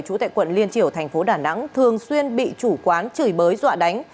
chủ tại quận liên triều thành phố đà nẵng thường xuyên bị chủ quán chửi bới dọa đánh